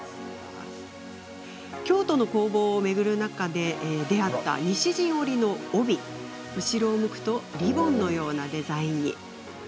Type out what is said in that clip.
京都の工房を巡る中で出会った西陣織の帯はリボンのようなデザインに。